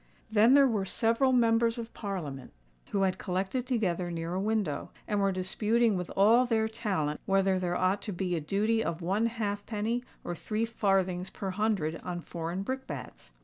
Then there were several Members of Parliament who had collected together near a window, and were disputing with all their talent whether there ought to be a duty of one halfpenny or three farthings per hundred on foreign brick bats.